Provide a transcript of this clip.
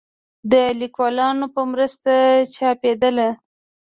د ليکوالانو په مرسته چاپېدله